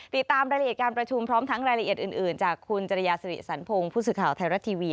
ติดตามรายละเอียดการประชุมพร้อมทั้งรายละเอียดอื่นจากคุณจริยาสิริสันพงศ์ผู้สื่อข่าวไทยรัฐทีวี